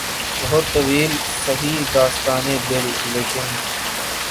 بہت طویل سہی داستانِ دل ، لیکن